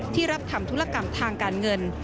ที่รับทำธุรกรรมทางการเงิน